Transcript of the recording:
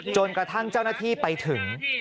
จนกระทั่งเจ้าหน้าที่ไปถึง